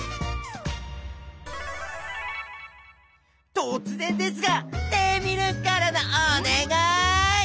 とつ然ですがテミルンからのお願い！